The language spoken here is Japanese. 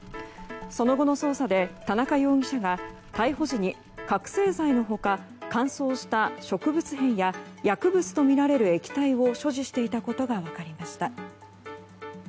その後の捜査で田中容疑者が逮捕時に覚醒剤の他、乾燥した植物片や薬物とみられる液体を所持していたことが分かりました。